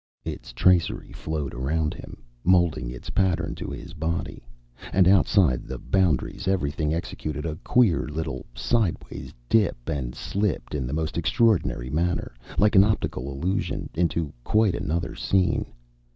Its tracery flowed round him, molding its pattern to his body. And outside the boundaries everything executed a queer little sidewise dip and slipped in the most extraordinary manner, like an optical illusion, into quite another scene.